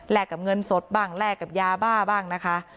กับเงินสดบ้างแลกกับยาบ้าบ้างนะคะ